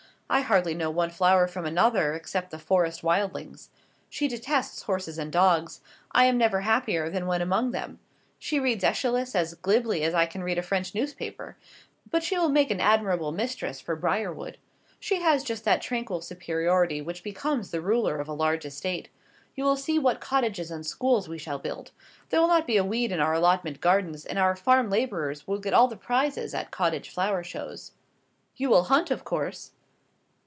I hardly know one flower from another, except the forest wildlings. She detests horses and dogs. I am never happier than when among them. She reads Æschylus as glibly as I can read a French newspaper. But she will make an admirable mistress for Briarwood. She has just that tranquil superiority which becomes the ruler of a large estate. You will see what cottages and schools we shall build. There will not be a weed in our allotment gardens, and our farm labourers will get all the prizes at cottage flower shows." "You will hunt, of course?"